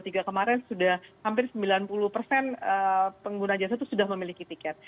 tapi tahun dua ribu dua puluh tiga kemarin sudah hampir sembilan puluh persen pengguna jasa itu sudah memiliki tiket